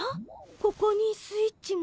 ここにスイッチが。